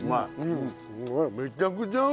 めちゃくちゃ合う！